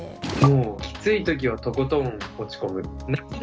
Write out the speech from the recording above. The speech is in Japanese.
もうきつい時はとことん落ち込む。